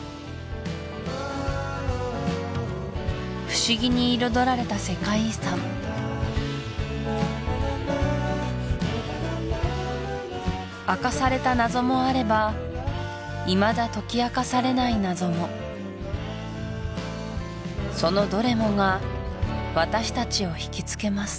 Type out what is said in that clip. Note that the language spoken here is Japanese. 不思議に彩られた世界遺産明かされた謎もあればいまだ解き明かされない謎もそのどれもが私達をひきつけます